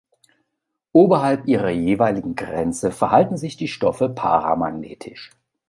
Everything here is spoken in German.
Oberhalb ihrer jeweiligen Grenze verhalten sich die Stoffe paramagnetisch.